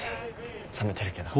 冷めてるけど。